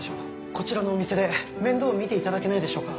こちらのお店で面倒を見ていただけないでしょうか。